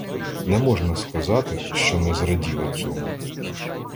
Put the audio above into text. Не можна сказати, що ми зраділи цьому.